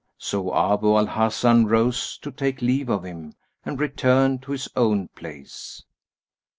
So Abu al Hasan rose to take leave of him and return to his own place.